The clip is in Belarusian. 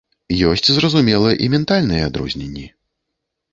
Ёсць, зразумела, і ментальныя адрозненні.